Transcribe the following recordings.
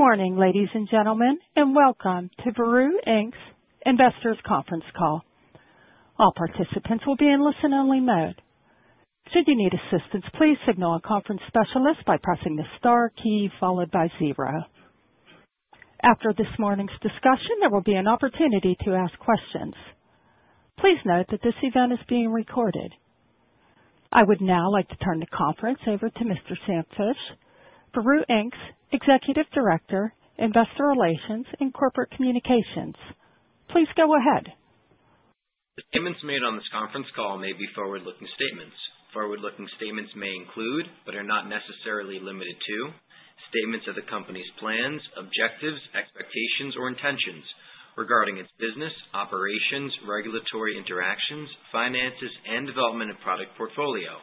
Good morning, ladies and gentlemen, and welcome to Veru Inc's Investors Conference Call. All participants will be in listen-only mode. Should you need assistance, please signal a conference specialist by pressing the star key followed by zero. After this morning's discussion, there will be an opportunity to ask questions. Please note that this event is being recorded. I would now like to turn the conference over to Mr. Sam Fisch, Veru Inc's Executive Director, Investor Relations and Corporate Communications. Please go ahead. Statements made on this conference call may be forward-looking statements. Forward-looking statements may include, but are not necessarily limited to, statements of the company's plans, objectives, expectations, or intentions regarding its business, operations, regulatory interactions, finances, and development of product portfolio.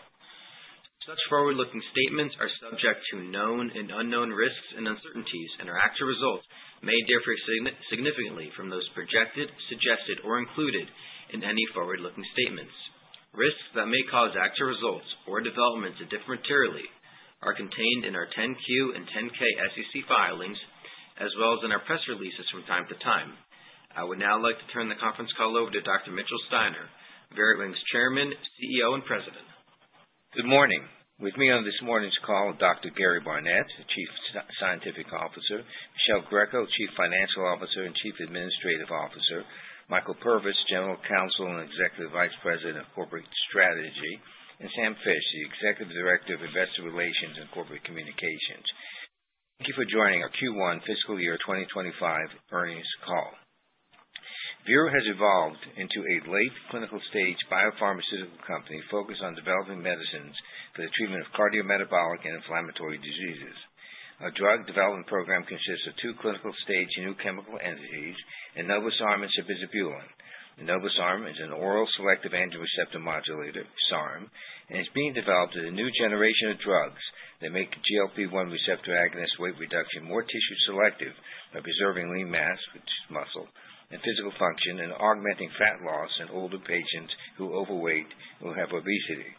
Such forward-looking statements are subject to known and unknown risks and uncertainties, and their actual results may differ significantly from those projected, suggested, or included in any forward-looking statements. Risks that may cause actual results or developments are different materially contained in our 10-Q and 10-K SEC filings, as well as in our press releases from time to time. I would now like to turn the conference call over to Dr. Mitchell Steiner, Veru Inc's Chairman, CEO, and President. Good morning. With me on this morning's call are Dr. Gary Barnette, Chief Scientific Officer; Michele Greco, Chief Financial Officer and Chief Administrative Officer; Michael Purvis, General Counsel and Executive Vice President of Corporate Strategy; and Sam Fisch, the Executive Director of Investor Relations and Corporate Communications. Thank you for joining our Q1 Fiscal Year 2025 earnings call. Veru has evolved into a late clinical stage biopharmaceutical company focused on developing medicines for the treatment of cardiometabolic and inflammatory diseases. Our drug development program consists of two clinical stage new chemical entities, enobosarm and sabizabulin. Enobosarm is an oral selective androgen receptor modulator, SARM, and is being developed as a new generation of drugs that make GLP-1 receptor agonist weight reduction more tissue selective by preserving lean mass, muscle, and physical function and augmenting fat loss in older patients who are overweight and who have obesity.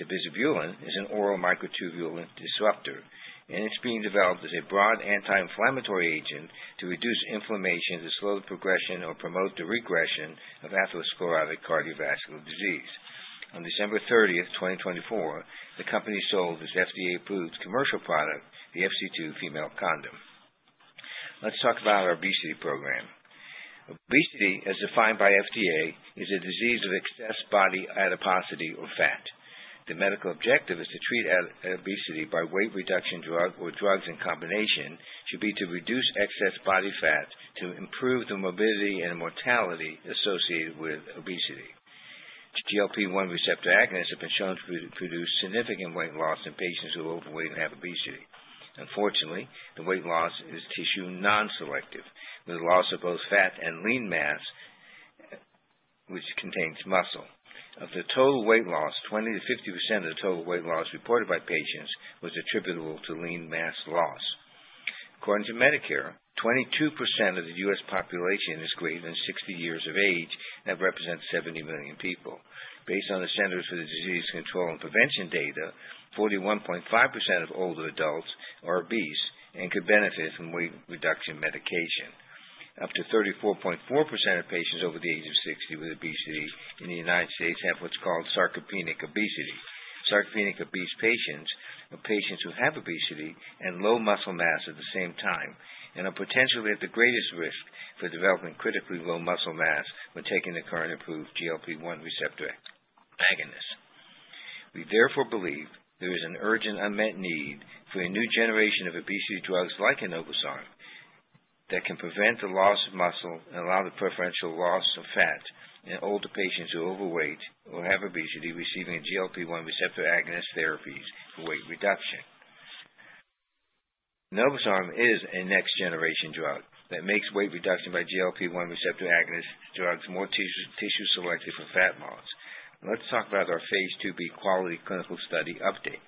Sabizabulin is an oral microtubule disruptor, and it's being developed as a broad anti-inflammatory agent to reduce inflammation, to slow the progression, or promote the regression of atherosclerotic cardiovascular disease. On December 30, 2024, the company sold its FDA-approved commercial product, the FC2 female condom. Let's talk about our obesity program. Obesity, as defined by FDA, is a disease of excess body adiposity or fat. The medical objective is to treat obesity by weight reduction drug, or drugs in combination, should be to reduce excess body fat to improve the morbidity and mortality associated with obesity. GLP-1 receptor agonists have been shown to produce significant weight loss in patients who are overweight and have obesity. Unfortunately, the weight loss is tissue non-selective, with loss of both fat and lean mass, which contains muscle. Of the total weight loss, 20%-50% of the total weight loss reported by patients was attributable to lean mass loss. According to Medicare, 22% of the U.S. population is greater than 60 years of age and represents 70 million people. Based on the Centers for Disease Control and Prevention data, 41.5% of older adults are obese and could benefit from weight reduction medication. Up to 34.4% of patients over the age of 60 with obesity in the United States have what's called sarcopenic obesity. Sarcopenic obese patients are patients who have obesity and low muscle mass at the same time and are potentially at the greatest risk for developing critically low muscle mass when taking the current approved GLP-1 receptor agonist. We therefore believe there is an urgent unmet need for a new generation of obesity drugs like enobosarm that can prevent the loss of muscle and allow the preferential loss of fat in older patients who are overweight or have obesity receiving GLP-1 receptor agonist therapies for weight reduction. enobosarm is a next-generation drug that makes weight reduction by GLP-1 receptor agonist drugs more tissue selective for fat loss. Let's talk about our phase II-B QUALITY clinical study update.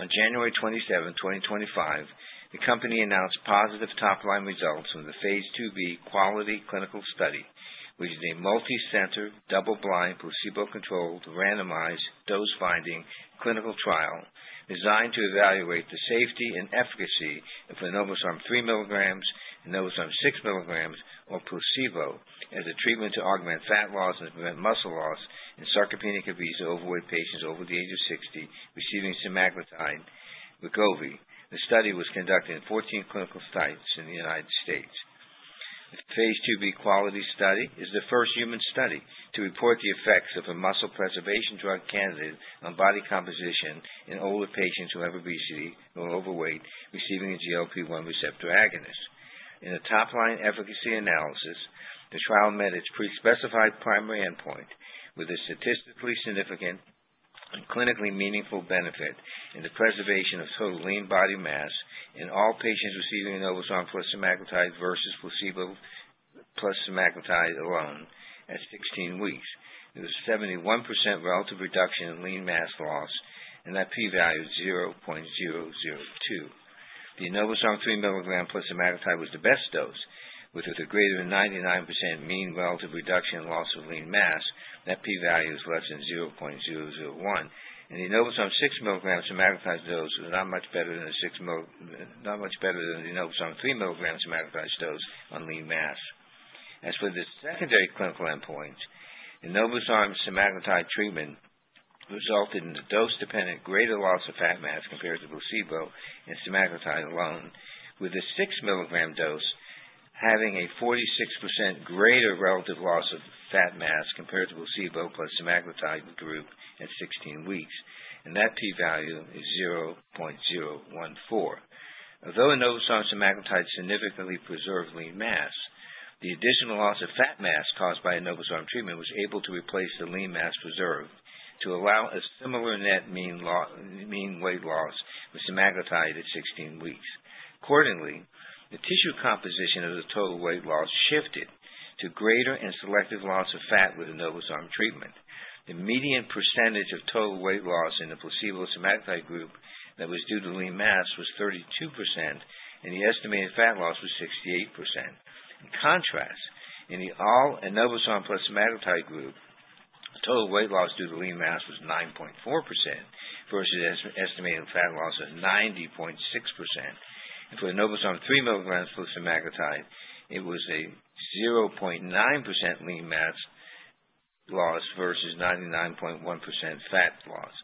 On January 27th, 2025, the company announced positive top-line results from the phase II-B QUALITY clinical study, which is a multi-center, double-blind, placebo-controlled, randomized dose-finding clinical trial designed to evaluate the safety and efficacy of enobosarm 3 mg, enobosarm 6 mg, or placebo as a treatment to augment fat loss and prevent muscle loss in sarcopenic obesity overweight patients over the age of 60 receiving semaglutide/Wegovy. The study was conducted in 14 clinical sites in the United States. The phase II-B QUALITY study is the first human study to report the effects of a muscle preservation drug candidate on body composition in older patients who have obesity or are overweight receiving a GLP-1 receptor agonist. In a top-line efficacy analysis, the trial met its pre-specified primary endpoint with a statistically significant and clinically meaningful benefit in the preservation of total lean body mass in all patients receiving enobosarm plus semaglutide versus placebo plus semaglutide alone at 16 weeks. There was a 71% relative reduction in lean mass loss and that p-value is 0.002. The enobosarm 3 mg plus semaglutide was the best dose, which was a greater than 99% mean relative reduction in loss of lean mass. That p-value is less than 0.001. The enobosarm 6 mg semaglutide dose was not much better than the enobosarm 3 mg semaglutide dose on lean mass. As for the secondary clinical endpoints, enobosarm semaglutide treatment resulted in a dose-dependent greater loss of fat mass compared to placebo and semaglutide alone, with the 6 mg dose having a 46% greater relative loss of fat mass compared to placebo plus semaglutide group at 16 weeks. That p-value is 0.014. Although enobosarm semaglutide significantly preserved lean mass, the additional loss of fat mass caused by enobosarm treatment was able to replace the lean mass preserved to allow a similar net mean weight loss with semaglutide at 16 weeks. Accordingly, the tissue composition of the total weight loss shifted to greater and selective loss of fat with enobosarm treatment. The median percentage of total weight loss in the placebo plus semaglutide group that was due to lean mass was 32%, and the estimated fat loss was 68%. In contrast, in the all enobosarm plus semaglutide group, total weight loss due to lean mass was 9.4% versus estimated fat loss of 90.6%. For enobosarm 3 mg plus semaglutide, it was a 0.9% lean mass loss versus 99.1% fat loss.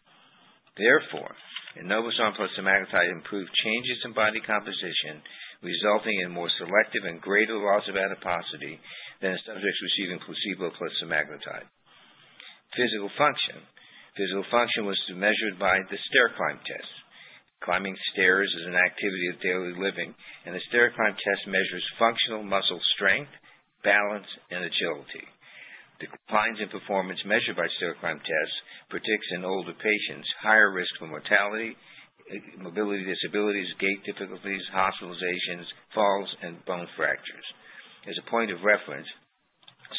Therefore, enobosarm plus semaglutide improved changes in body composition, resulting in more selective and greater loss of adiposity than in subjects receiving placebo plus semaglutide. Physical function was measured by the stair climb test. Climbing stairs is an activity of daily living, and the stair climb test measures functional muscle strength, balance, and agility. Declines in performance measured by stair climb test predicts in older patients higher risk for mortality, mobility disabilities, gait difficulties, hospitalizations, falls, and bone fractures. As a point of reference,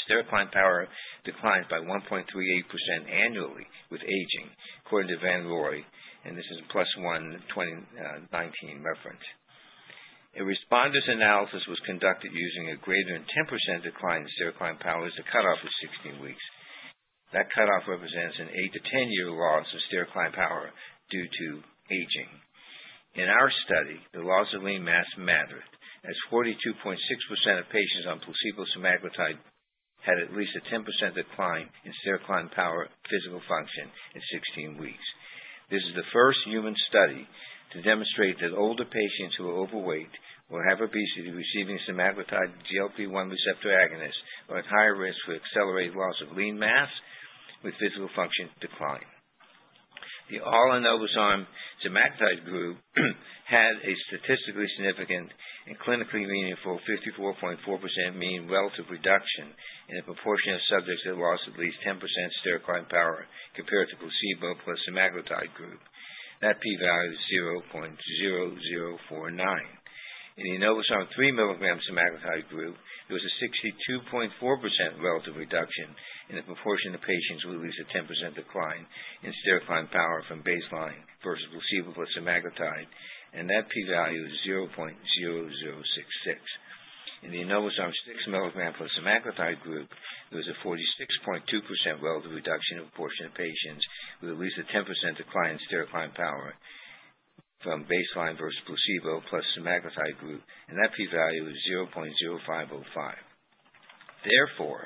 stair climb power declines by 1.38% annually with aging, according to Van Roie, and this is a PLOS ONE, 2019 reference. A responders analysis was conducted using a greater than 10% decline in stair climb power as the cutoff was 16 weeks. That cutoff represents an 8-10 year loss of stair climb power due to aging. In our study, the loss of lean mass mattered, as 42.6% of patients on placebo semaglutide had at least a 10% decline in stair climb power physical function at 16 weeks. This is the first human study to demonstrate that older patients who are overweight or have obesity receiving semaglutide GLP-1 receptor agonists are at higher risk for accelerated loss of lean mass with physical function decline. The all enobosarm semaglutide group had a statistically significant and clinically meaningful 54.4% mean relative reduction in the proportion of subjects that lost at least 10% stair climb power compared to placebo plus semaglutide group. That p-value is 0.0049. In the enobosarm 3 mg semaglutide group, there was a 62.4% relative reduction in the proportion of patients with at least a 10% decline in stair climb power from baseline versus placebo plus semaglutide, and that p-value is 0.0066. In the enobosarm 6 mg plus semaglutide group, there was a 46.2% relative reduction in the proportion of patients with at least a 10% decline in stair climb power from baseline versus placebo plus semaglutide group, and that p-value is 0.0505. Therefore,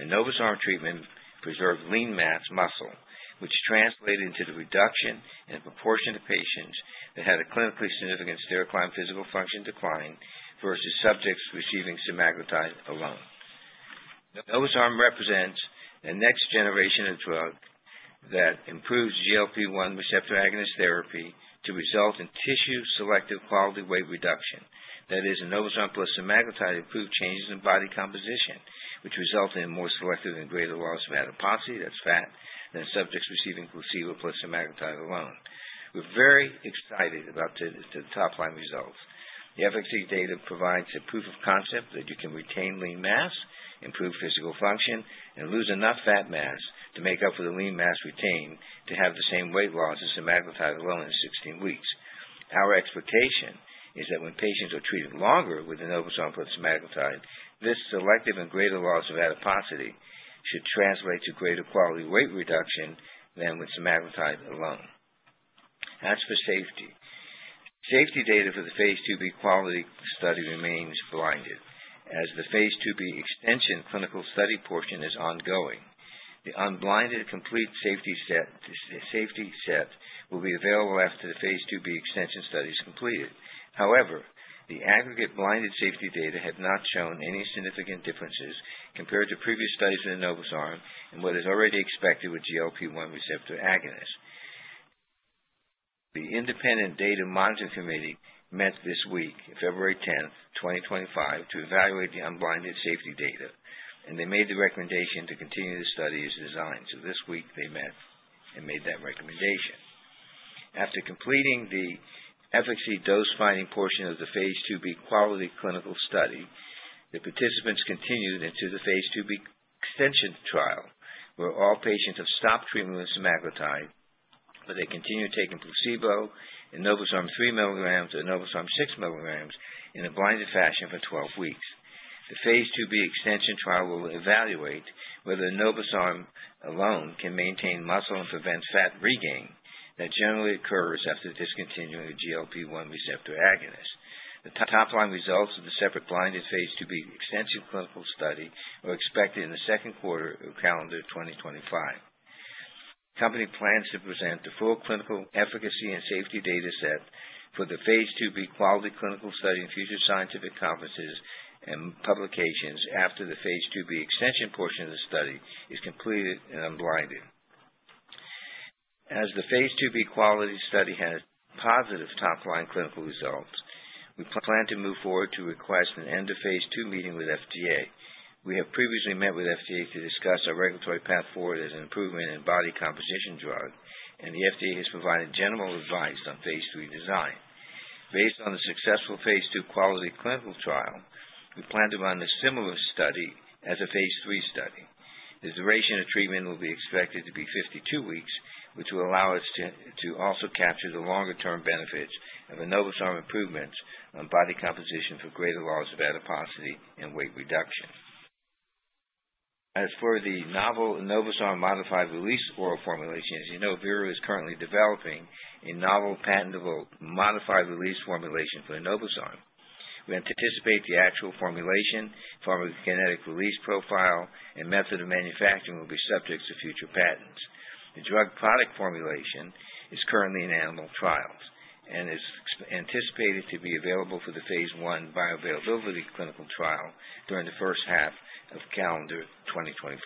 enobosarm treatment preserved lean mass muscle, which translated into the reduction in the proportion of patients that had a clinically significant stair climb physical function decline versus subjects receiving semaglutide alone. Enobosarm represents a next-generation of drug that improves GLP-1 receptor agonist therapy to result in tissue selective quality weight reduction. That is, enobosarm plus semaglutide improved changes in body composition, which resulted in more selective and greater loss of adiposity, that's fat, than subjects receiving placebo plus semaglutide alone. We're very excited about the top-line results. The efficacy data provides a proof of concept that you can retain lean mass, improve physical function, and lose enough fat mass to make up for the lean mass retained to have the same weight loss as semaglutide alone at 16 weeks. Our expectation is that when patients are treated longer with enobosarm plus semaglutide, this selective and greater loss of adiposity should translate to greater quality weight reduction than with semaglutide alone. As for safety, safety data for the phase II-B QUALITY study remains blinded, as the phase II-B extension clinical study portion is ongoing. The unblinded complete safety set will be available after the phase II-B extension study is completed. However, the aggregate blinded safety data have not shown any significant differences compared to previous studies in enobosarm and what is already expected with GLP-1 receptor agonists. The independent data monitoring committee met this week, February 10th, 2025, to evaluate the unblinded safety data, and they made the recommendation to continue the study as designed. This week they met and made that recommendation. After completing the efficacy dose-finding portion of the phase II-B QUALITY clinical study, the participants continued into the phase II-B extension trial, where all patients have stopped treatment with semaglutide, but they continue taking placebo, enobosarm 3 mg, enobosarm 6 mg in a blinded fashion for 12 weeks. The phase II-B extension trial will evaluate whether enobosarm alone can maintain muscle and prevent fat regain that generally occurs after discontinuing the GLP-1 receptor agonist. The top-line results of the separate blinded phase II-B extension clinical study are expected in the second quarter of calendar 2025. The company plans to present the full clinical efficacy and safety data set for the phase II-B QUALITY clinical study in future scientific conferences and publications after the phase II-B extension portion of the study is completed and unblinded. As the phase II-B QUALITY study has positive top-line clinical results, we plan to move forward to request an end-of-phase II-B meeting with FDA. We have previously met with FDA to discuss our regulatory path forward as an improvement in body composition drug, and the FDA has provided general advice on phase III design. Based on the successful phase II QUALITY clinical trial, we plan to run a similar study as a phase III study. The duration of treatment will be expected to be 52 weeks, which will allow us to also capture the longer-term benefits of enobosarm improvements on body composition for greater loss of adiposity and weight reduction. As for the novel enobosarm modified release oral formulation, as you know, Veru is currently developing a novel patentable modified release formulation for enobosarm. We anticipate the actual formulation, pharmacokinetic release profile, and method of manufacturing will be subjects of future patents. The drug product formulation is currently in animal trials and is anticipated to be available for the phase I bioavailability clinical trial during the first half of calendar 2025.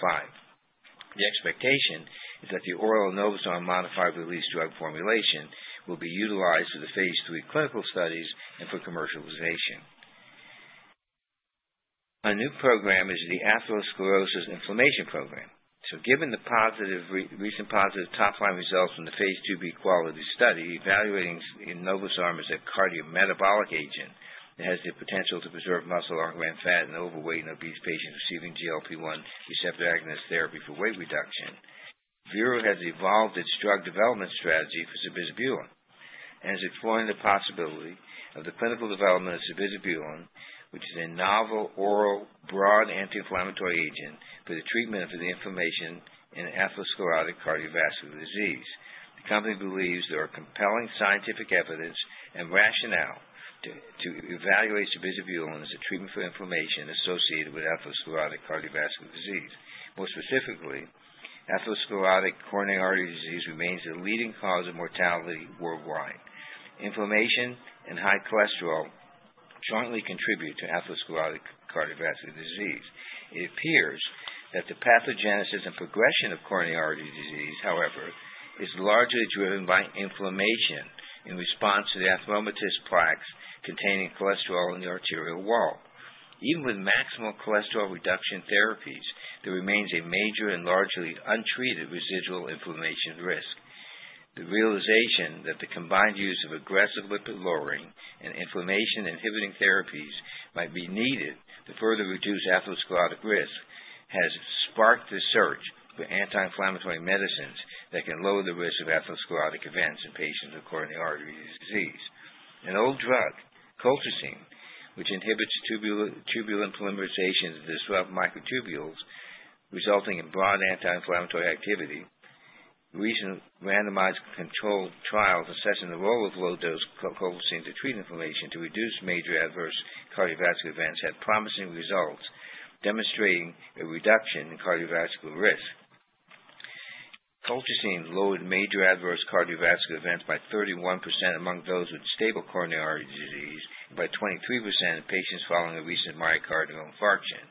The expectation is that the oral enobosarm modified release drug formulation will be utilized for the phase III clinical studies and for commercialization. A new program is the atherosclerosis inflammation program. Given the recent positive top-line results from the phase II-B QUALITY study, evaluating enobosarm as a cardiometabolic agent that has the potential to preserve muscle, artery, and fat in overweight and obese patients receiving GLP-1 receptor agonist therapy for weight reduction, Veru has evolved its drug development strategy for sabizabulin and is exploring the possibility of the clinical development of sabizabulin, which is a novel oral broad anti-inflammatory agent for the treatment of inflammation in atherosclerotic cardiovascular disease. The company believes there are compelling scientific evidence and rationale to evaluate sabizabulin as a treatment for inflammation associated with atherosclerotic cardiovascular disease. More specifically, atherosclerotic coronary artery disease remains the leading cause of mortality worldwide. Inflammation and high cholesterol jointly contribute to atherosclerotic cardiovascular disease. It appears that the pathogenesis and progression of coronary artery disease, however, is largely driven by inflammation in response to the atheromatous plaques containing cholesterol in the arterial wall. Even with maximal cholesterol reduction therapies, there remains a major and largely untreated residual inflammation risk. The realization that the combined use of aggressive lipid-lowering and inflammation-inhibiting therapies might be needed to further reduce atherosclerotic risk has sparked the search for anti-inflammatory medicines that can lower the risk of atherosclerotic events in patients with coronary artery disease. An old drug, colchicine, which inhibits tubulin polymerization of microtubules, resulting in broad anti-inflammatory activity, recent randomized controlled trials assessing the role of low-dose colchicine to treat inflammation to reduce major adverse cardiovascular events had promising results, demonstrating a reduction in cardiovascular risk. Colchicine lowered major adverse cardiovascular events by 31% among those with stable coronary artery disease and by 23% in patients following a recent myocardial infarction.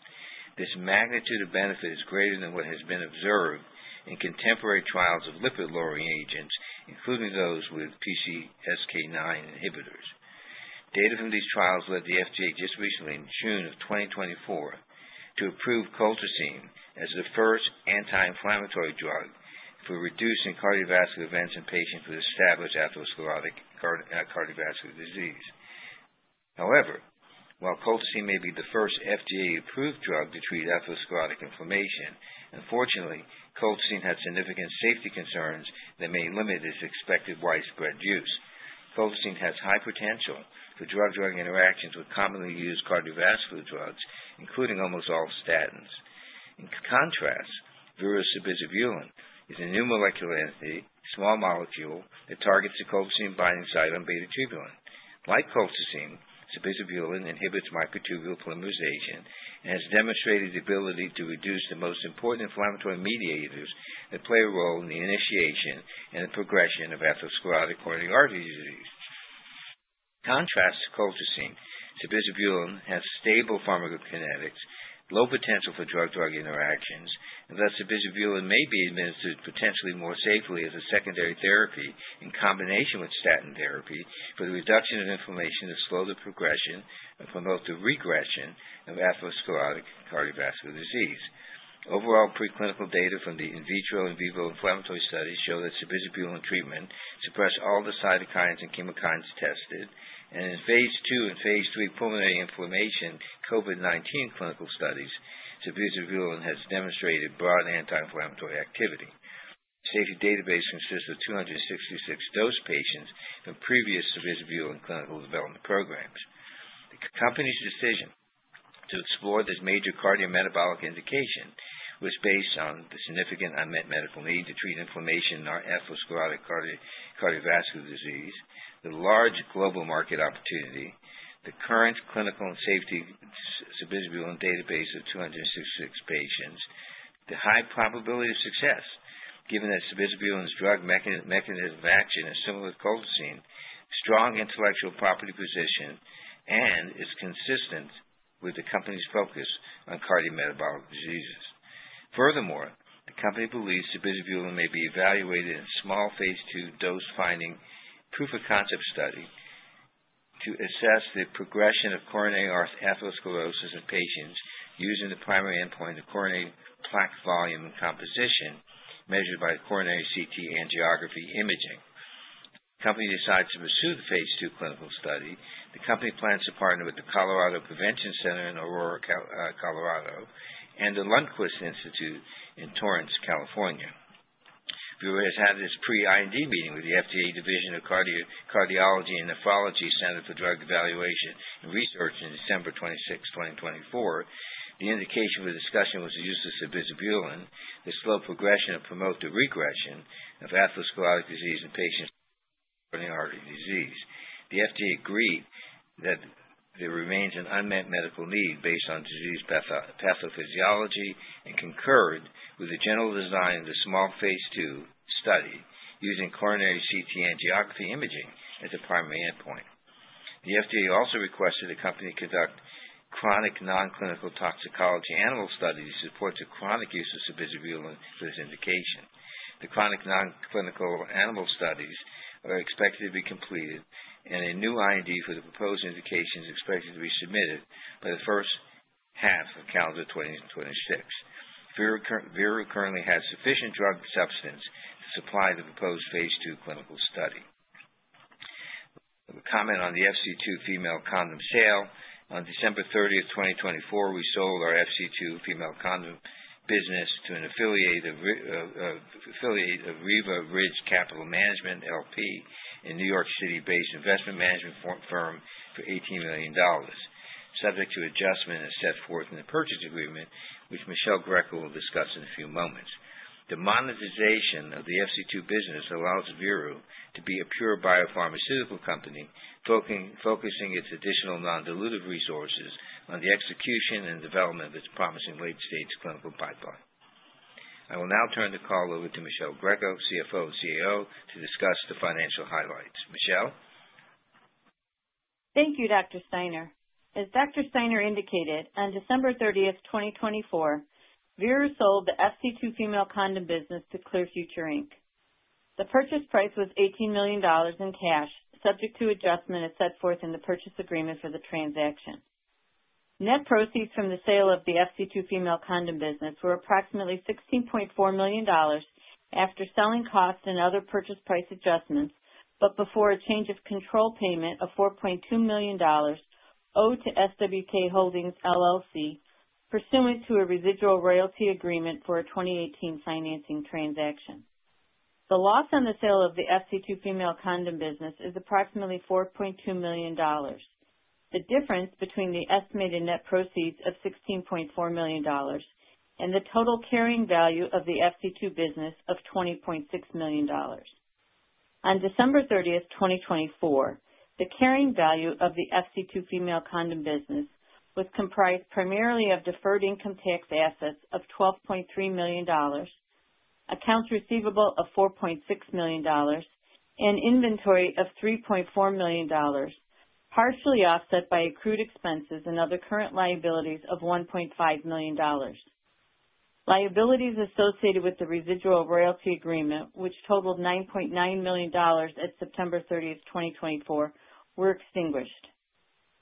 This magnitude of benefit is greater than what has been observed in contemporary trials of lipid-lowering agents, including those with PCSK9 inhibitors. Data from these trials led the FDA just recently, in June of 2024, to approve colchicine as the first anti-inflammatory drug for reducing cardiovascular events in patients with established atherosclerotic cardiovascular disease. However, while colchicine may be the first FDA-approved drug to treat atherosclerotic inflammation, unfortunately, colchicine has significant safety concerns that may limit its expected widespread use. Colchicine has high potential for drug-drug interactions with commonly used cardiovascular drugs, including almost all statins. In contrast, Veru sabizabulin is a new molecular entity, small molecule, that targets the colchicine-binding site on beta-tubulin. Like colchicine, sabizabulin inhibits microtubule polymerization and has demonstrated the ability to reduce the most important inflammatory mediators that play a role in the initiation and the progression of atherosclerotic coronary artery disease. In contrast to colchicine, sabizabulin has stable pharmacokinetics, low potential for drug-drug interactions, and thus sabizabulin may be administered potentially more safely as a secondary therapy in combination with statin therapy for the reduction of inflammation to slow the progression and promote the regression of atherosclerotic cardiovascular disease. Overall preclinical data from the in vitro and in vivo inflammatory studies show that sabizabulin treatment suppressed all the cytokines and chemokines tested, and in phase II and phase III pulmonary inflammation COVID-19 clinical studies, sabizabulin has demonstrated broad anti-inflammatory activity. The safety database consists of 266 dosed patients from previous sabizabulin clinical development programs. The company's decision to explore this major cardiometabolic indication was based on the significant unmet medical need to treat inflammation in our atherosclerotic cardiovascular disease, the large global market opportunity, the current clinical and safety sabizabulin database of 266 patients, the high probability of success, given that sabizabulin's drug mechanism of action is similar to colchicine, strong intellectual property position, and is consistent with the company's focus on cardiometabolic diseases. Furthermore, the company believes sabizabulin may be evaluated in a small phase II dose-finding proof of concept study to assess the progression of coronary atherosclerosis in patients using the primary endpoint of coronary plaque volume and composition measured by coronary CT angiography imaging. The company decides to pursue the phase II clinical study. The company plans to partner with the Colorado Prevention Center in Aurora, Colorado, and the Lundquist Institute in Torrance, California. Veru has had its pre-IND meeting with the FDA Division of Cardiology and Nephrology Center for Drug Evaluation and Research on December 26, 2024. The indication for discussion was the use of sabizabulin to slow progression and promote the regression of atherosclerotic disease in patients with coronary artery disease. The FDA agreed that there remains an unmet medical need based on disease pathophysiology and concurred with the general design of the small phase II study using coronary CT angiography imaging as a primary endpoint. The FDA also requested the company conduct chronic nonclinical toxicology animal studies to support the chronic use of sabizabulin for this indication. The chronic nonclinical animal studies are expected to be completed, and a new IND for the proposed indication is expected to be submitted by the first half of calendar 2026. Veru currently has sufficient drug substance to supply the proposed phase II clinical study. Comment on the FC2 female condom sale. On December 30, 2024, we sold our FC2 female condom business to an affiliate of Riva Ridge Capital Management LP, a New York City-based investment management firm for $18 million, subject to adjustment as set forth in the purchase agreement, which Michele Greco will discuss in a few moments. The monetization of the FC2 business allows Veru to be a pure biopharmaceutical company, focusing its additional non-dilutive resources on the execution and development of its promising late-stage clinical pipeline. I will now turn the call over to Michele Greco, CFO and CEO, to discuss the financial highlights. Michele? Thank you, Dr. Steiner. As Dr. Steiner indicated, on December 30, 2024, Veru sold the FC2 female condom business to Clear Future Inc. The purchase price was $18 million in cash, subject to adjustment as set forth in the purchase agreement for the transaction. Net proceeds from the sale of the FC2 female condom business were approximately $16.4 million after selling costs and other purchase price adjustments, but before a change of control payment of $4.2 million owed to SWK Holdings, LLC, pursuant to a residual royalty agreement for a 2018 financing transaction. The loss on the sale of the FC2 female condom business is approximately $4.2 million, the difference between the estimated net proceeds of $16.4 million and the total carrying value of the FC2 business of $20.6 million. On December 30, 2024, the carrying value of the FC2 female condom business was comprised primarily of deferred income tax assets of $12.3 million, accounts receivable of $4.6 million, and inventory of $3.4 million, partially offset by accrued expenses and other current liabilities of $1.5 million. Liabilities associated with the residual royalty agreement, which totaled $9.9 million at September 30, 2024, were extinguished.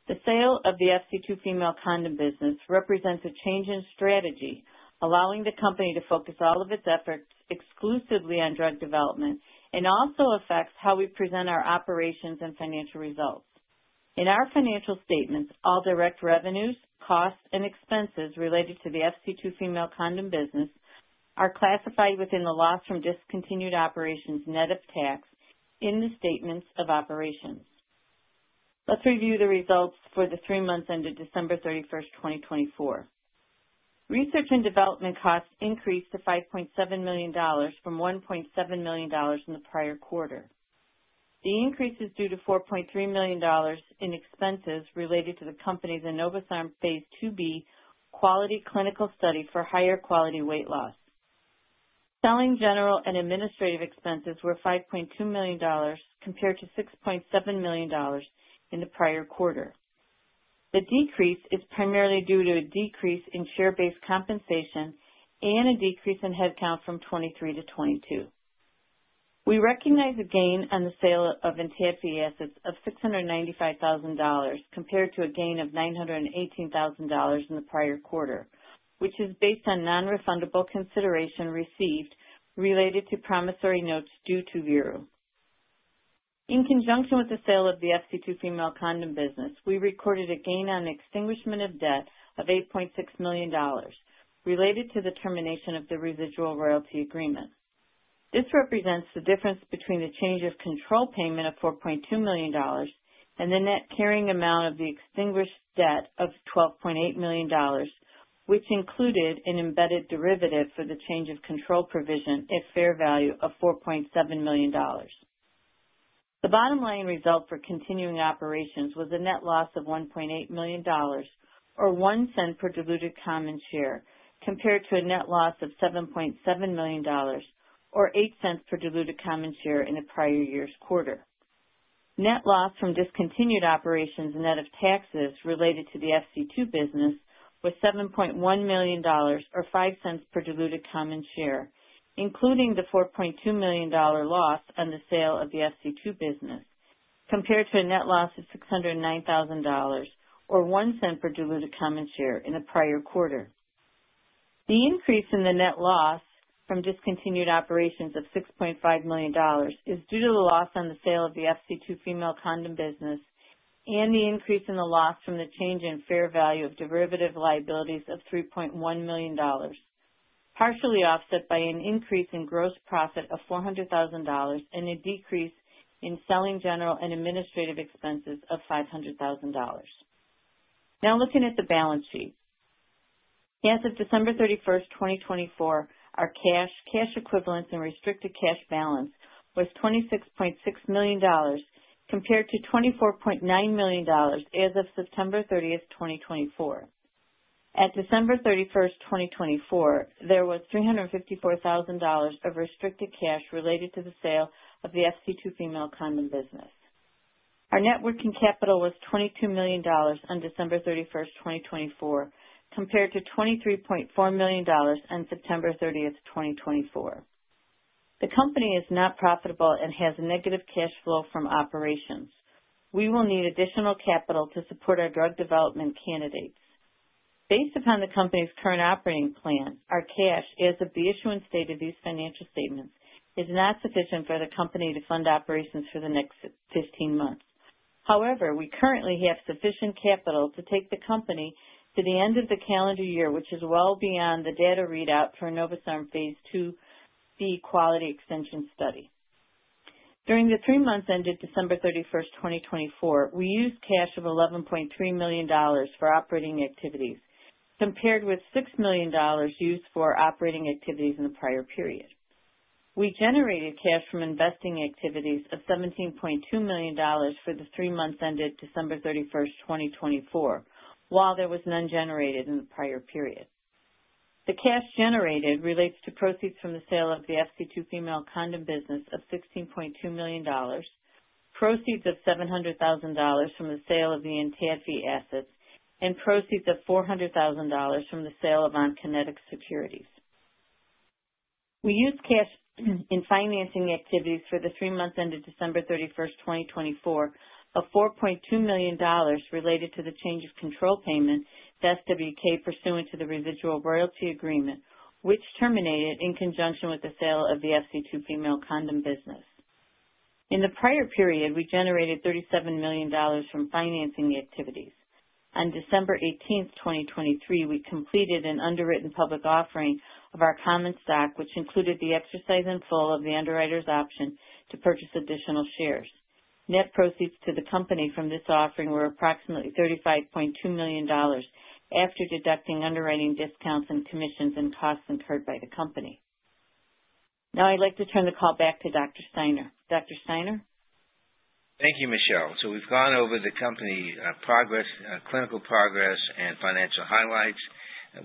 The sale of the FC2 female condom business represents a change in strategy, allowing the company to focus all of its efforts exclusively on drug development and also affects how we present our operations and financial results. In our financial statements, all direct revenues, costs, and expenses related to the FC2 female condom business are classified within the loss from discontinued operations net of tax in the statements of operations. Let's review the results for the three months ended December 31, 2024. Research and development costs increased to $5.7 million from $1.7 million in the prior quarter. The increase is due to $4.3 million in expenses related to the company's enobosarm phase II-B QUALITY clinical study for higher quality weight loss. Selling, general, and administrative expenses were $5.2 million, compared to $6.7 million in the prior quarter. The decrease is primarily due to a decrease in share-based compensation and a decrease in headcount from 23 to 22. We recognize a gain on the sale of ENTADFI assets of $695,000, compared to a gain of $918,000 in the prior quarter, which is based on non-refundable consideration received related to promissory notes due to Veru. In conjunction with the sale of the FC2 female condom business, we recorded a gain on the extinguishment of debt of $8.6 million related to the termination of the residual royalty agreement. This represents the difference between the change of control payment of $4.2 million and the net carrying amount of the extinguished debt of $12.8 million, which included an embedded derivative for the change of control provision at fair value of $4.7 million. The bottom line result for continuing operations was a net loss of $1.8 million, or $0.01 per diluted common share, compared to a net loss of $7.7 million, or $0.08 per diluted common share in the prior year's quarter. Net loss from discontinued operations net of taxes related to the FC2 business was $7.1 million, or $0.05 per diluted common share, including the $4.2 million loss on the sale of the FC2 business, compared to a net loss of $609,000, or $0.01 per diluted common share in the prior quarter. The increase in the net loss from discontinued operations of $6.5 million is due to the loss on the sale of the FC2 female condom business and the increase in the loss from the change in fair value of derivative liabilities of $3.1 million, partially offset by an increase in gross profit of $400,000 and a decrease in selling, general, and administrative expenses of $500,000. Now looking at the balance sheet, as of December 31, 2024, our cash, cash equivalents, and restricted cash balance was $26.6 million, compared to $24.9 million as of September 30, 2024. At December 31, 2024, there was $354,000 of restricted cash related to the sale of the FC2 female condom business. Our net working capital was $22 million on December 31, 2024, compared to $23.4 million on September 30, 2024. The company is not profitable and has negative cash flow from operations. We will need additional capital to support our drug development candidates. Based upon the company's current operating plan, our cash, as of the issuance date of these financial statements, is not sufficient for the company to fund operations for the next 15 months. However, we currently have sufficient capital to take the company to the end of the calendar year, which is well beyond the data readout for enobosarm phase II-B QUALITY extension study. During the three months ended December 31, 2024, we used cash of $11.3 million for operating activities, compared with $6 million used for operating activities in the prior period. We generated cash from investing activities of $17.2 million for the three months ended December 31, 2024, while there was none generated in the prior period. The cash generated relates to proceeds from the sale of the FC2 female condom business of $16.2 million, proceeds of $700,000 from the sale of the ENTADFI assets, and proceeds of $400,000 from the sale of Onconetix securities. We used cash in financing activities for the three months ended December 31, 2024, of $4.2 million related to the change of control payment to SWK pursuant to the residual royalty agreement, which terminated in conjunction with the sale of the FC2 female condom business. In the prior period, we generated $37 million from financing activities. On December 18, 2023, we completed an underwritten public offering of our common stock, which included the exercise and full of the underwriter's option to purchase additional shares. Net proceeds to the company from this offering were approximately $35.2 million after deducting underwriting discounts and commissions and costs incurred by the company. Now I'd like to turn the call back to Dr. Steiner. Dr. Steiner? Thank you, Michele. We have gone over the company progress, clinical progress, and financial highlights.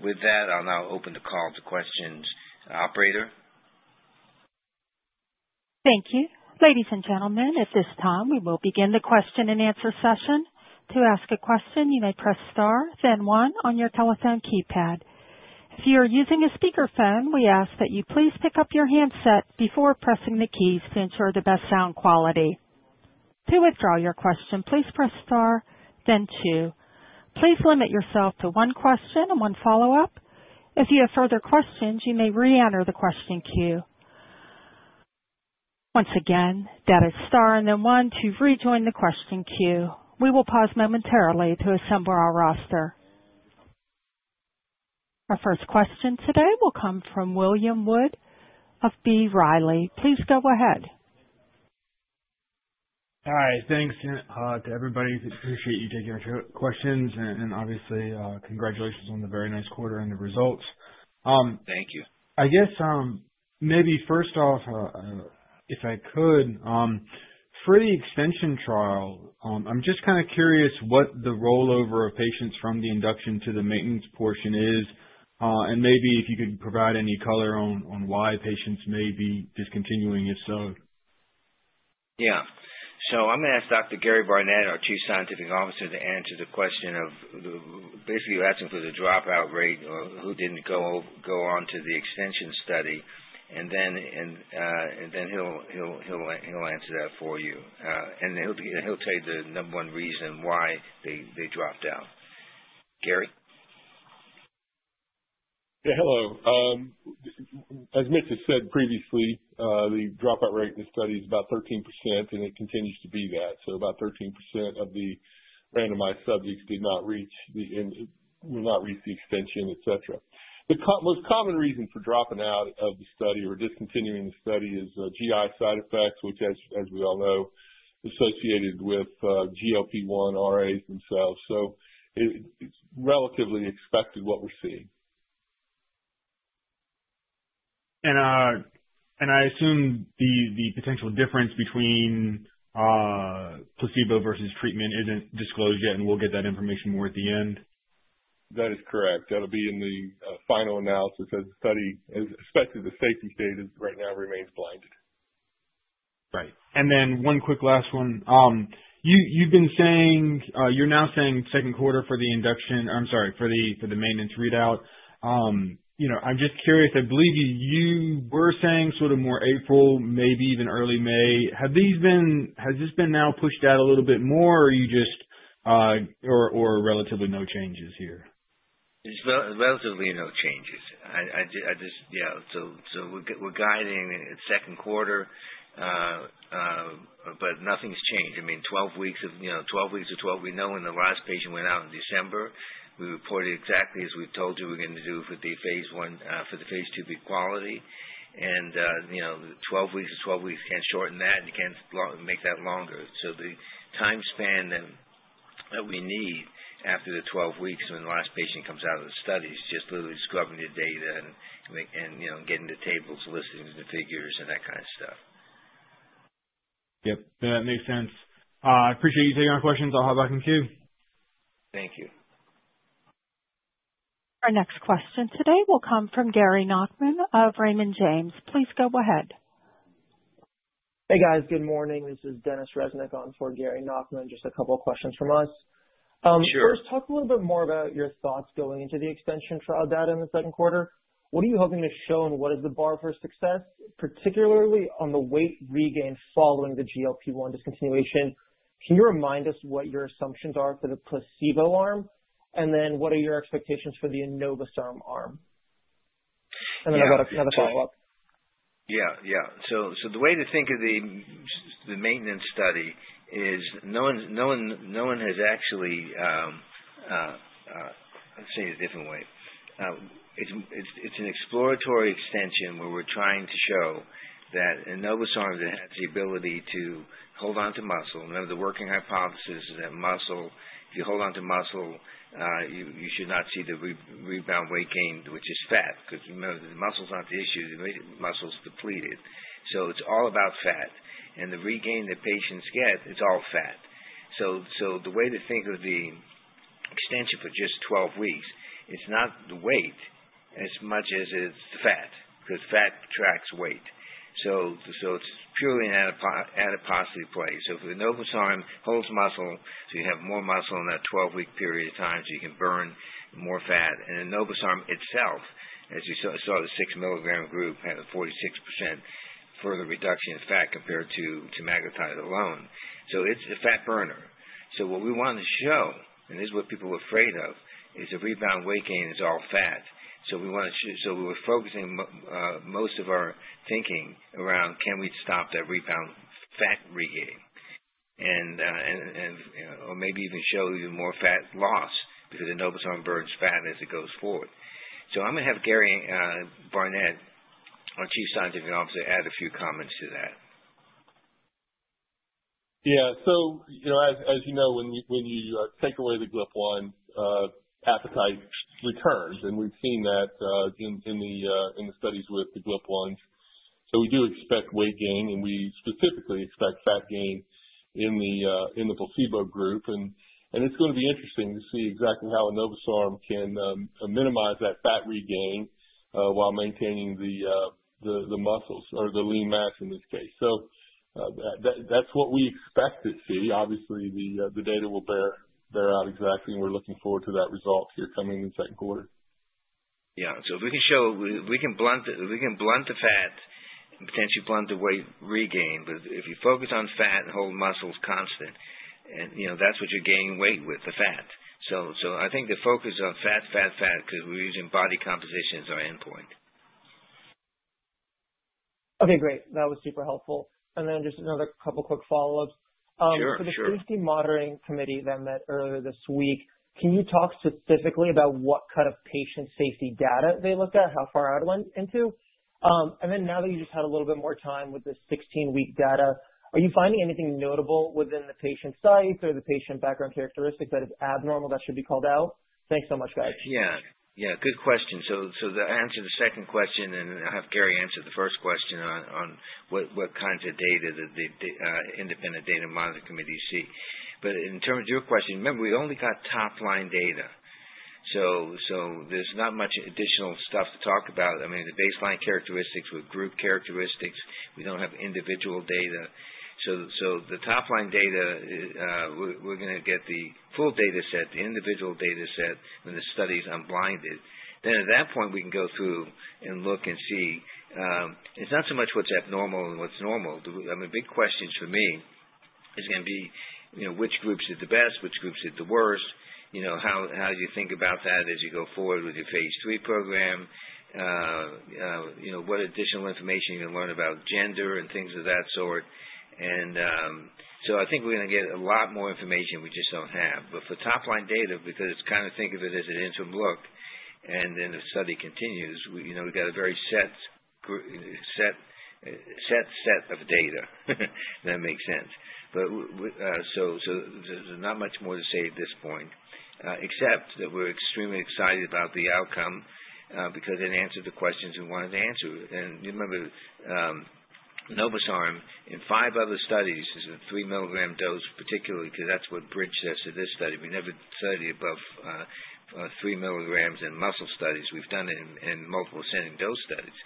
With that, I'll now open the call to questions, Operator. Thank you. Ladies and gentlemen, at this time, we will begin the question and answer session. To ask a question, you may press star, then one on your telephone keypad. If you are using a speakerphone, we ask that you please pick up your handset before pressing the keys to ensure the best sound quality. To withdraw your question, please press star, then two. Please limit yourself to one question and one follow-up. If you have further questions, you may re-enter the question queue. Once again, that is star and then one to rejoin the question queue. We will pause momentarily to assemble our roster. Our first question today will come from William Wood of B. Riley. Please go ahead. Hi. Thanks to everybody. Appreciate you taking questions. Obviously, congratulations on the very nice quarter and the results. Thank you. I guess maybe first off, if I could, for the extension trial, I'm just kind of curious what the rollover of patients from the induction to the maintenance portion is, and maybe if you could provide any color on why patients may be discontinuing, if so. Yeah. I'm going to ask Dr. Gary Barnette, our Chief Scientific Officer, to answer the question of basically asking for the dropout rate or who didn't go on to the extension study. He'll answer that for you. He'll tell you the number one reason why they dropped out. Gary? Yeah. Hello. As Mitchell said previously, the dropout rate in the study is about 13%, and it continues to be that. About 13% of the randomized subjects did not reach the extension, etc. The most common reason for dropping out of the study or discontinuing the study is GI side effects, which, as we all know, are associated with GLP-1 RAs themselves. It is relatively expected what we're seeing. I assume the potential difference between placebo versus treatment isn't disclosed yet, and we'll get that information more at the end? That is correct. That will be in the final analysis of the study, especially the safety status. Right now remains blinded. Right. One quick last one. You're now saying second quarter for the induction—I'm sorry, for the maintenance readout. I'm just curious. I believe you were saying sort of more April, maybe even early May. Has this been now pushed out a little bit more, or are you just—or relatively no changes here? Relatively no changes. Yeah. We're guiding second quarter, but nothing's changed. I mean, 12 weeks of—12 weeks or 12—we know when the last patient went out in December, we reported exactly as we told you we're going to do for the phase II-B QUALITY. And 12 weeks or 12 weeks can't shorten that, and you can't make that longer. The time span that we need after the 12 weeks when the last patient comes out of the study is just literally scrubbing the data and getting the tables, listing the figures, and that kind of stuff. Yep. That makes sense. I appreciate you taking our questions. I'll hop back in queue. Thank you. Our next question today will come from Gary Nachman of Raymond James. Please go ahead. Hey, guys. Good morning. This is Denis Reznik on for Gary Nachman. Just a couple of questions from us. Sure. First, talk a little bit more about your thoughts going into the extension trial data in the second quarter. What are you hoping to show, and what is the bar for success, particularly on the weight regain following the GLP-1 discontinuation? Can you remind us what your assumptions are for the placebo arm? What are your expectations for the enobosarm arm? I have another follow-up. Yeah. Yeah. The way to think of the maintenance study is no one has actually—let's say it a different way. It is an exploratory extension where we are trying to show that enobosarm has the ability to hold on to muscle. Remember, the working hypothesis is that muscle—if you hold on to muscle, you should not see the rebound weight gain, which is fat. Because remember, the muscle's not the issue. The muscle's depleted. It's all about fat. The regain that patients get, it's all fat. The way to think of the extension for just 12 weeks, it's not the weight as much as it's the fat. Fat tracks weight. It's purely an adiposity play. If enobosarm holds muscle, you have more muscle in that 12-week period of time, so you can burn more fat. Enobosarm itself, as you saw the 6 mg group, had a 46% further reduction in fat compared to semaglutide alone. It's a fat burner. What we want to show—and this is what people were afraid of—is the rebound weight gain is all fat. We were focusing most of our thinking around, can we stop that rebound fat regain? Maybe even show even more fat loss because enobosarm burns fat as it goes forward. I am going to have Gary Barnette, our Chief Scientific Officer, add a few comments to that. Yeah. As you know, when you take away the GLP-1, appetite returns. We have seen that in the studies with the GLP-1s. We do expect weight gain, and we specifically expect fat gain in the placebo group. It is going to be interesting to see exactly how enobosarm can minimize that fat regain while maintaining the muscles or the lean mass in this case. That is what we expect to see. Obviously, the data will bear out exactly, and we are looking forward to that result here coming in the second quarter. Yeah. If we can show—we can blunt the fat and potentially blunt the weight regain. If you focus on fat and hold muscles constant, that's what you're gaining weight with, the fat. I think the focus is on fat, fat, fat because we're using body composition as our endpoint. Okay. Great. That was super helpful. Just another couple of quick follow-ups. Sure. Sure. For the safety monitoring committee that met earlier this week, can you talk specifically about what kind of patient safety data they looked at, how far out it went into? Now that you just had a little bit more time with the 16-week data, are you finding anything notable within the patient's size or the patient background characteristics that is abnormal that should be called out? Thanks so much, guys. Yeah. Yeah. Good question. To answer the second question, I'll have Gary answer the first question on what kinds of data that the independent data monitoring committee see. In terms of your question, remember, we only got top-line data. There's not much additional stuff to talk about. I mean, the baseline characteristics with group characteristics. We don't have individual data. The top-line data, we're going to get the full data set, the individual data set, and the study is unblinded. At that point, we can go through and look and see. It's not so much what's abnormal and what's normal. I mean, big questions for me are going to be which groups did the best, which groups did the worst. How do you think about that as you go forward with your phase III program? What additional information you can learn about gender and things of that sort. I think we're going to get a lot more information we just don't have. For top-line data, because it's kind of think of it as an interim look, and then the study continues, we've got a very set set of data. That makes sense. There's not much more to say at this point, except that we're extremely excited about the outcome because it answered the questions we wanted to answer. Remember, enobosarm, in five other studies, it's a 3 mg dose particularly because that's what bridged us to this study. We never studied above 3 mg in muscle studies. We've done it in multiple-centered dose studies.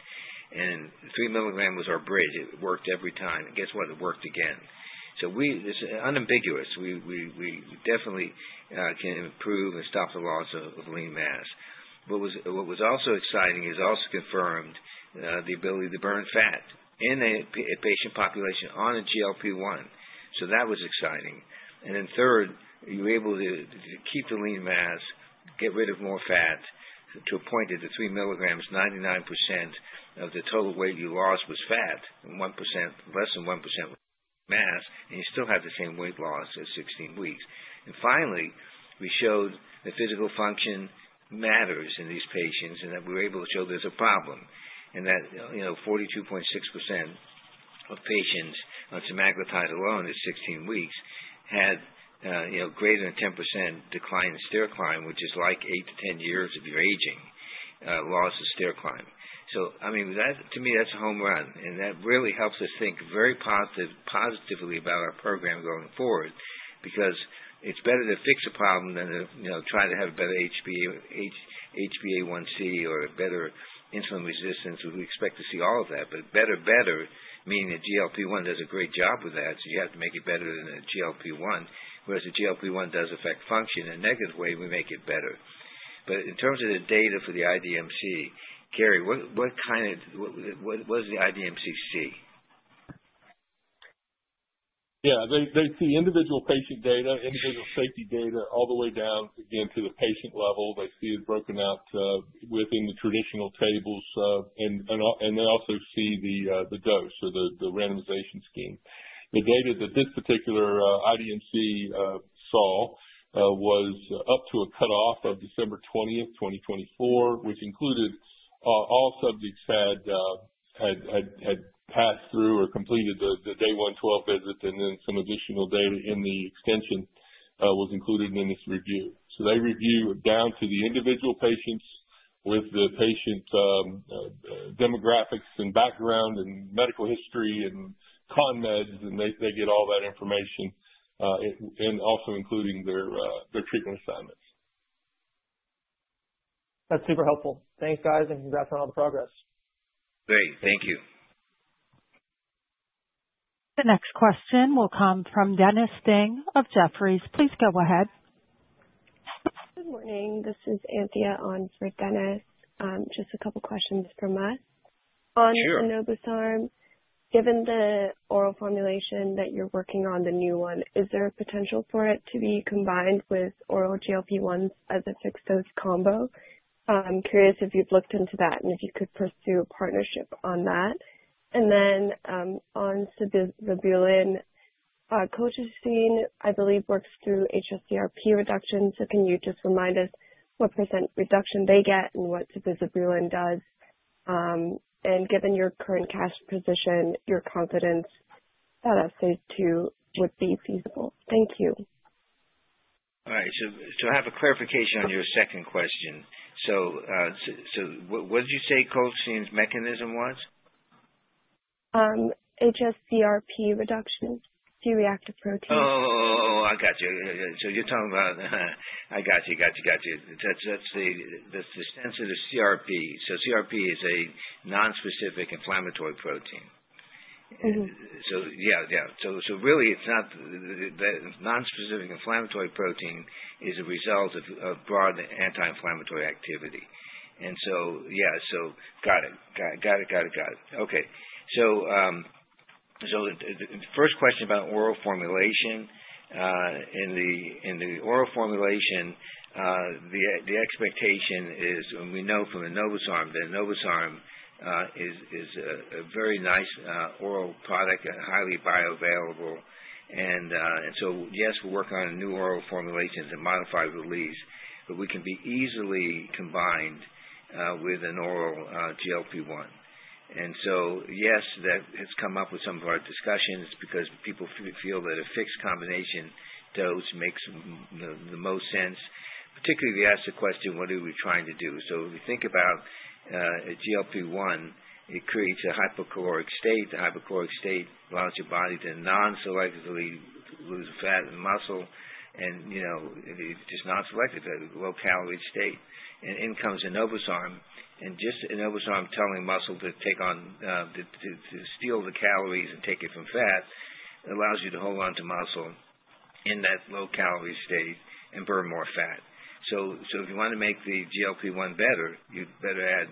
And 3 mg was our bridge. It worked every time. Guess what? It worked again. It's unambiguous. We definitely can improve and stop the loss of lean mass. What was also exciting is also confirmed the ability to burn fat in a patient population on a GLP-1. That was exciting. Third, you were able to keep the lean mass, get rid of more fat to a point that the 3 mg, 99% of the total weight you lost was fat, less than 1% was mass, and you still had the same weight loss at 16 weeks. Finally, we showed that physical function matters in these patients and that we were able to show there's a problem. That 42.6% of patients on semaglutide alone at 16 weeks had greater than 10% decline in stair climb, which is like 8-10 years of your aging loss of stair climb. I mean, to me, that's a home run. That really helps us think very positively about our program going forward because it's better to fix a problem than try to have a better HbA1c or a better insulin resistance. We expect to see all of that. Better, better, meaning a GLP-1 does a great job with that, so you have to make it better than a GLP-1. Whereas a GLP-1 does affect function in a negative way, we make it better. In terms of the data for the IDMC, Gary, what does the IDMC see? Yeah. They see individual patient data, individual safety data, all the way down again to the patient level. They see it broken out within the traditional tables. They also see the dose or the randomization scheme. The data that this particular IDMC saw was up to a cutoff of December 20, 2024, which included all subjects had passed through or completed the day 112 visit, and then some additional data in the extension was included in this review. They review down to the individual patients with the patient demographics and background and medical history and con meds, and they get all that information and also including their treatment assignments. That's super helpful. Thanks, guys, and congrats on all the progress. Great. Thank you. The next question will come from Dennis Ding of Jefferies. Please go ahead. Good morning. This is Anthea on for Dennis. Just a couple of questions from us on enobosarm. Given the oral formulation that you're working on, the new one, is there a potential for it to be combined with oral GLP-1s as a fixed-dose combo? I'm curious if you've looked into that and if you could pursue a partnership on that. And then on sabizabulin, colchicine I believe works through hsCRP reduction. So can you just remind us what % reduction they get and what sabizabulin does? And given your current cash position, your confidence that phase II would be feasible. Thank you. All right. I have a clarification on your second question. What did you say colchicine's mechanism was? hsCRP reduction, C-reactive protein. Oh, I got you. You're talking about, I got you, got you, got you. That's the stance of the CRP. CRP is a nonspecific inflammatory protein. Yeah, yeah. Really, it's not the nonspecific inflammatory protein, it is a result of broad anti-inflammatory activity. Yeah. Got it. Got it. Got it. Got it. Okay. The first question about oral formulation. In the oral formulation, the expectation is, and we know from enobosarm, that enobosarm is a very nice oral product, highly bioavailable. Yes, we're working on new oral formulations and modifiable leaves, but we can be easily combined with an oral GLP-1. Yes, that has come up with some of our discussions because people feel that a fixed combination dose makes the most sense, particularly if you ask the question, what are we trying to do? If you think about a GLP-1, it creates a hypocaloric state. The hypocaloric state allows your body to non-selectively lose fat and muscle. It's just non-selective, a low-calorie state. In comes enobosarm. Enobosarm telling muscle to steal the calories and take it from fat allows you to hold on to muscle in that low-calorie state and burn more fat. If you want to make the GLP-1 better, you'd better add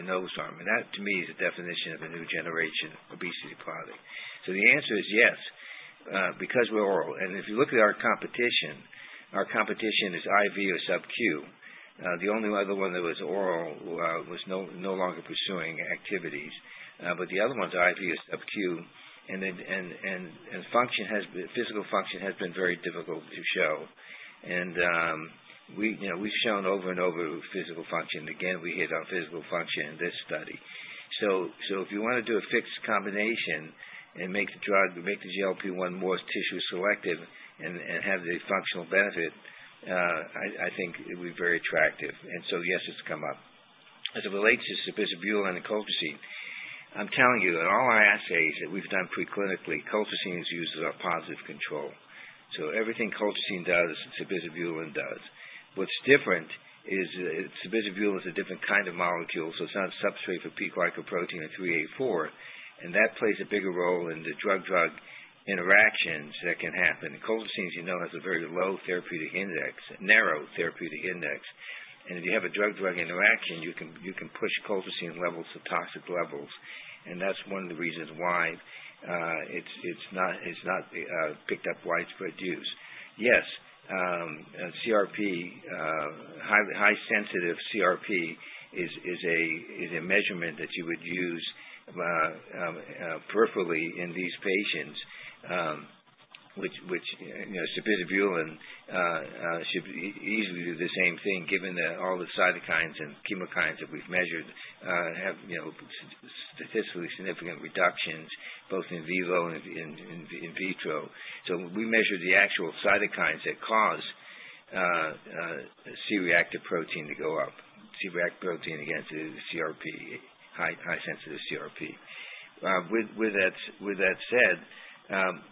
enobosarm. That, to me, is the definition of a new generation obesity product. The answer is yes because we're oral. If you look at our competition, our competition is IV or sub-Q. The only other one that was oral was no longer pursuing activities. The other ones, IV or sub-Q. Function has been, physical function has been very difficult to show. We've shown over and over physical function. Again, we hit on physical function in this study. If you want to do a fixed combination and make the drug, make the GLP-1 more tissue-selective and have the functional benefit, I think it would be very attractive. Yes, it's come up. As it relates to sabizabulin and colchicine, I'm telling you, in all our assays that we've done preclinically, colchicine is used as our positive control. Everything colchicine does, sabizabulin does. What's different is sabizabulin is a different kind of molecule, so it's not a substrate for P-glycoprotein or 3A4. That plays a bigger role in the drug-drug interactions that can happen. Colchicine, as you know, has a very low therapeutic index, narrow therapeutic index. If you have a drug-drug interaction, you can push colchicine levels to toxic levels. That's one of the reasons why it's not picked up widespread use. Yes, CRP, high-sensitive CRP, is a measurement that you would use peripherally in these patients, which sabizabulin should easily do the same thing given that all the cytokines and chemokines that we've measured have statistically significant reductions both in vivo and in vitro. So we measure the actual cytokines that cause C-reactive protein to go up, C-reactive protein against the CRP, high-sensitive CRP. With that said,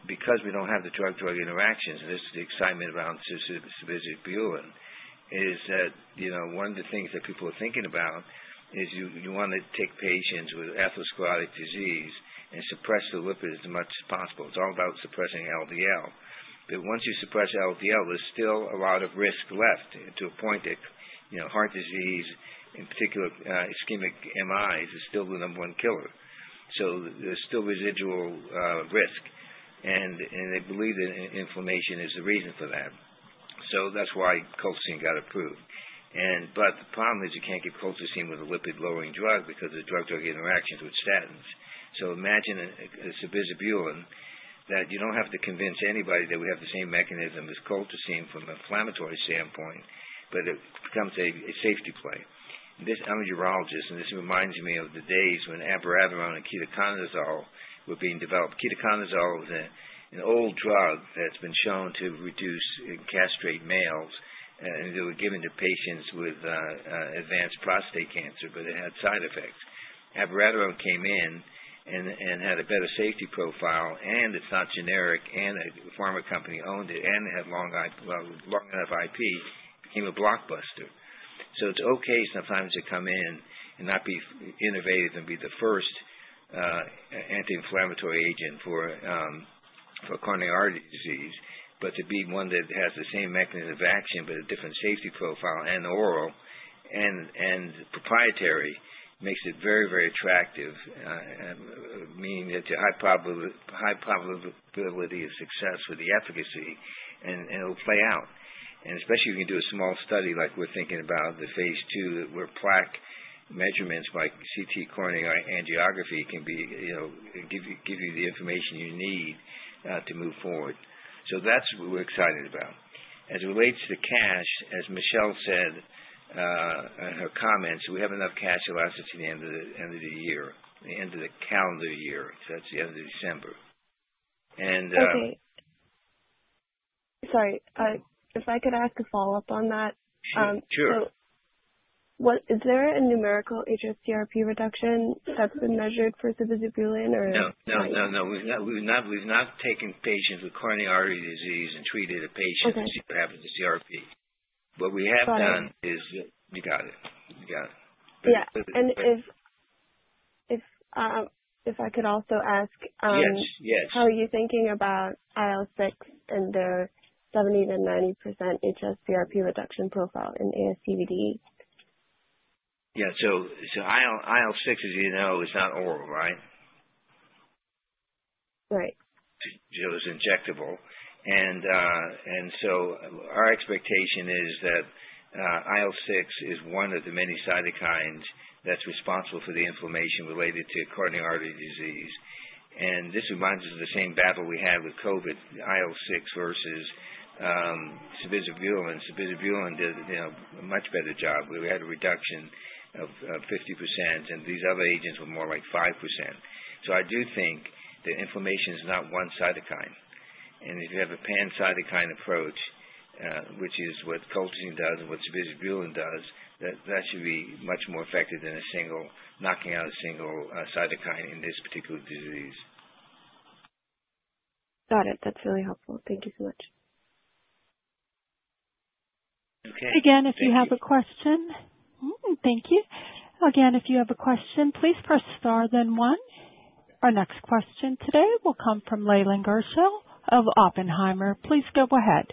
because we don't have the drug-drug interactions, and this is the excitement around sabizabulin, is that one of the things that people are thinking about is you want to take patients with atherosclerotic disease and suppress the lipids as much as possible. It's all about suppressing LDL. Once you suppress LDL, there's still a lot of risk left to a point that heart disease, in particular ischemic MIs, is still the number one killer. There's still residual risk. They believe that inflammation is the reason for that. That is why colchicine got approved. The problem is you cannot get colchicine with a lipid-lowering drug because of drug-drug interactions with statins. Imagine sabizabulin that you do not have to convince anybody that we have the same mechanism as colchicine from an inflammatory standpoint, but it becomes a safety play. I am a urologist, and this reminds me of the days when abiraterone and ketoconazole were being developed. Ketoconazole is an old drug that has been shown to reduce castrate males. They were given to patients with advanced prostate cancer, but it had side effects. Abiraterone came in and had a better safety profile, and it is not generic, and a pharma company owned it and had long enough IP, became a blockbuster. It is okay sometimes to come in and not be innovative and be the first anti-inflammatory agent for coronary artery disease, but to be one that has the same mechanism of action but a different safety profile and oral and proprietary makes it very, very attractive, meaning that the high probability of success with the efficacy, and it will play out. Especially if you can do a small study like we are thinking about, the phase II where plaque measurements by CT coronary angiography can give you the information you need to move forward. That is what we are excited about. As it relates to cash, as Michele said in her comments, we have enough cash elasticity at the end of the year, the end of the calendar year. That is the end of December. Okay. Sorry. If I could ask a follow-up on that. Sure. Is there a numerical hsCRP reduction that's been measured for sabizabulin, or? No, no, no, no. We've not taken patients with coronary artery disease and treated a patient to see what happens to CRP. What we have done is you got it. You got it. Yeah. If I could also ask. Yes, yes. How are you thinking about IL-6 and their 70-90% hsCRP reduction profile in ASCVD? Yeah. IL-6, as you know, is not oral, right? Right. It was injectable. Our expectation is that IL-6 is one of the many cytokines that's responsible for the inflammation related to coronary artery disease. This reminds us of the same battle we had with COVID, IL-6 versus sabizabulin. Sabizabulin did a much better job. We had a reduction of 50%, and these other agents were more like 5%. I do think that inflammation is not one cytokine. If you have a pan-cytokine approach, which is what colchicine does and what sabizabulin does, that should be much more effective than knocking out a single cytokine in this particular disease. Got it. That's really helpful. Thank you so much. Again, if you have a question, please press star then one. Our next question today will come from Leland Gershell of Oppenheimer. Please go ahead.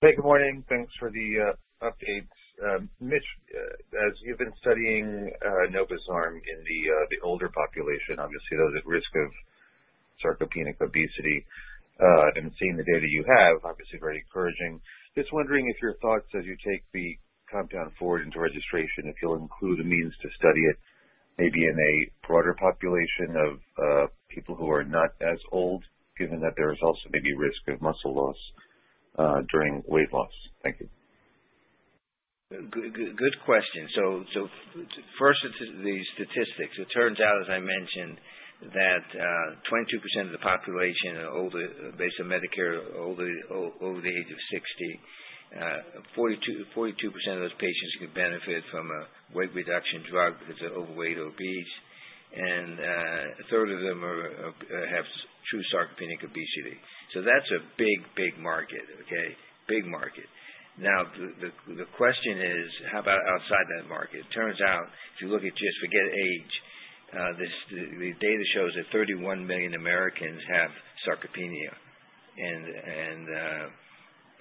Hey, good morning. Thanks for the updates. Mitch, as you've been studying enobosarm in the older population, obviously those at risk of sarcopenic obesity, and seeing the data you have, obviously very encouraging. Just wondering if your thoughts as you take the compound forward into registration, if you'll include a means to study it maybe in a broader population of people who are not as old, given that there is also maybe risk of muscle loss during weight loss. Thank you. Good question. First, the statistics. It turns out, as I mentioned, that 22% of the population, based on Medicare, over the age of 60, 42% of those patients could benefit from a weight reduction drug because they're overweight or obese. A third of them have true sarcopenic obesity. That's a big, big market, okay? Big market. Now, the question is, how about outside that market? It turns out, if you look at just forget age, the data shows that 31 million Americans have sarcopenia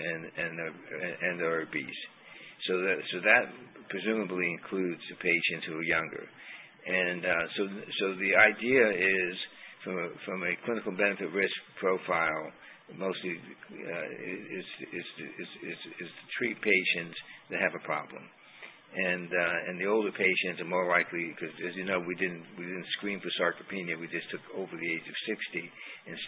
and are obese. That presumably includes patients who are younger. The idea is, from a clinical benefit-risk profile, mostly is to treat patients that have a problem. The older patients are more likely because, as you know, we did not screen for sarcopenia. We just took over the age of 60.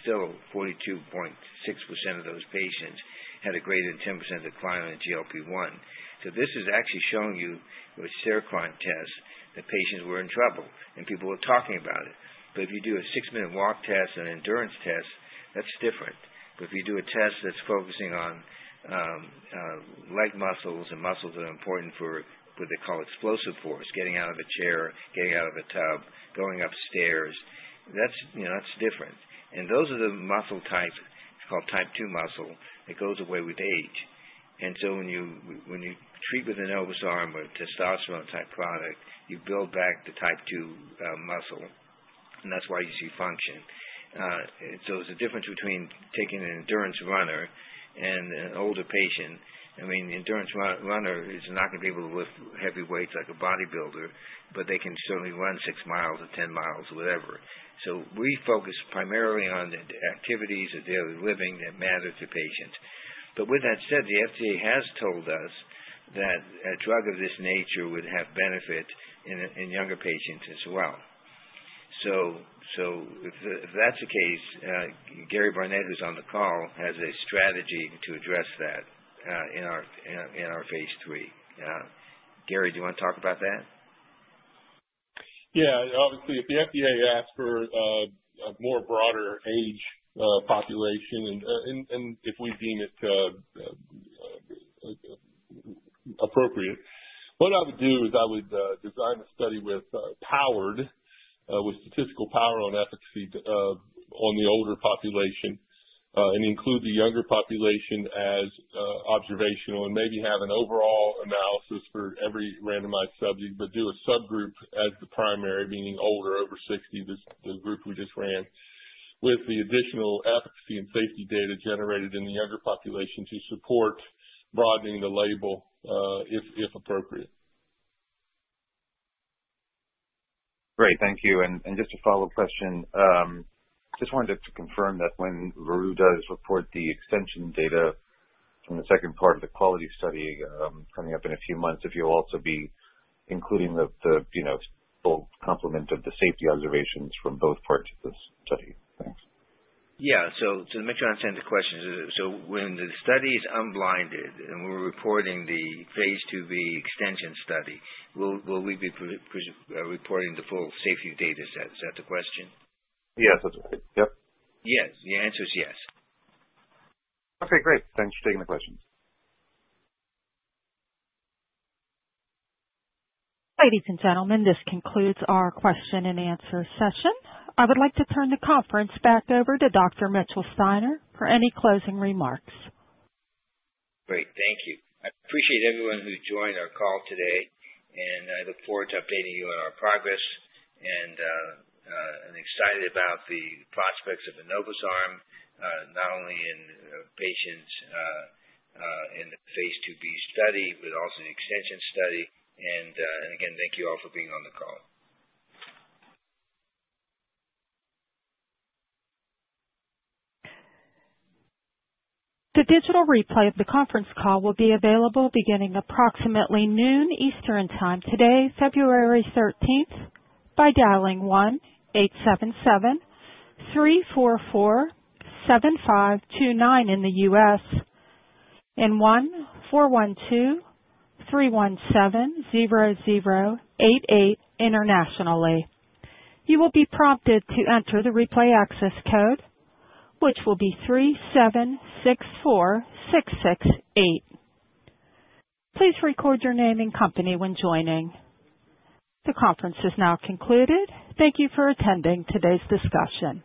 Still, 42.6% of those patients had a greater than 10% decline in GLP-1. This is actually showing you with stair climb test that patients were in trouble, and people were talking about it. If you do a six-minute walk test and endurance test, that is different. If you do a test that is focusing on leg muscles and muscles that are important for what they call explosive force, getting out of a chair, getting out of a tub, going upstairs, that is different. Those are the muscle types, it is called type 2 muscle, that goes away with age. When you treat with enobosarm or a testosterone-type product, you build back the type 2 muscle. That is why you see function. There is a difference between taking an endurance runner and an older patient. I mean, the endurance runner is not going to be able to lift heavy weights like a bodybuilder, but they can certainly run 6 mi or 10 mi or whatever. We focus primarily on the activities of daily living that matter to patients. With that said, the FDA has told us that a drug of this nature would have benefit in younger patients as well. If that is the case, Gary Barnette, who is on the call, has a strategy to address that in our phase III. Gary, do you want to talk about that? Yeah. Obviously, if the FDA asked for a broader age population and if we deem it appropriate, what I would do is I would design a study with statistical power on efficacy on the older population and include the younger population as observational and maybe have an overall analysis for every randomized subject, but do a subgroup as the primary, meaning older, over 60, the group we just ran, with the additional efficacy and safety data generated in the younger population to support broadening the label if appropriate. Great. Thank you. Just a follow-up question. Just wanted to confirm that when Veru does report the extension data from the second part of the QUALITY study coming up in a few months, if you'll also be including the full complement of the safety observations from both parts of the study. Thanks. Yeah. To make sure I understand the question, when the study is unblinded and we're reporting the phase II-B extension study, will we be reporting the full safety data set? Is that the question? Yes. That's right. Yep. Yes. The answer is yes. Okay. Great. Thanks for taking the questions. Ladies and gentlemen, this concludes our question and answer session. I would like to turn the conference back over to Dr. Mitchell Steiner for any closing remarks. Great. Thank you. I appreciate everyone who joined our call today. I look forward to updating you on our progress and excited about the prospects of enobosarm, not only in patients in the phase II-B study, but also the extension study. Again, thank you all for being on the call. The digital replay of the conference call will be available beginning approximately noon Eastern Time today, February 13, by dialing 1-877-344-7529 in the U.S. and 1-412-317-0088 internationally. You will be prompted to enter the replay access code, which will be 3764668. Please record your name and company when joining. The conference is now concluded. Thank you for attending today's discussion.